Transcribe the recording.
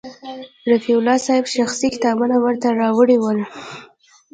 رفیع صاحب شخصي کتابونه ورته راوړي ول.